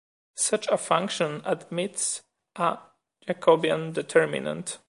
Such a function admits a Jacobian determinant.